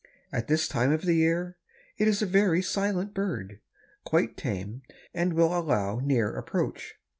At this time of the year it is a very silent bird, quite tame and will allow near approach.